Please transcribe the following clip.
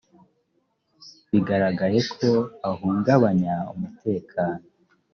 bigaragaye ko ahungabanya umutekano